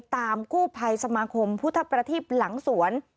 ตามกู้ภัยสมาคมพุทธประทีบหลังสวน